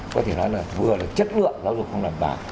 có thể nói là vừa là chất lượng giáo dục không đảm bảo